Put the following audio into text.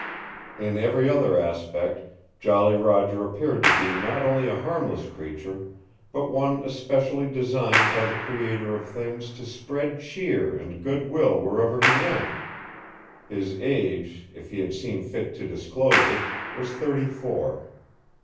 In every other respect Jolly Roger appeared to be not only a harmless creature, but one especially designed by the Creator of things to spread cheer and good will wherever he went. His age, if he had seen fit to disclose it, was thirty four.